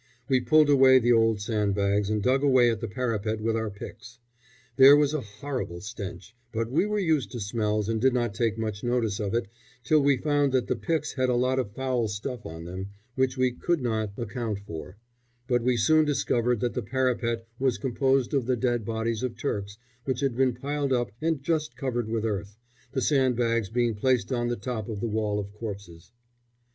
We pulled away the old sandbags and dug away at the parapet with our picks. There was a horrible stench, but we were used to smells and did not take much notice of it till we found that the picks had a lot of foul stuff on them which we could not account for; but we soon discovered that the parapet was composed of the dead bodies of Turks which had been piled up and just covered with earth, the sandbags being placed on the top of the wall of corpses.